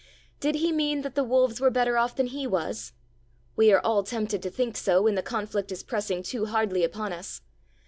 Did He mean that the wolves were better off than He was? We are all tempted to think so when the conflict is pressing too hardly upon us.